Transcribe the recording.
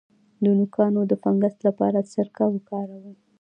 د نوکانو د فنګس لپاره سرکه وکاروئ